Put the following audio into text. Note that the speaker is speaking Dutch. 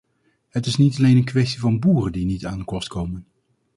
Het is niet alleen een kwestie van boeren die niet aan de kost komen.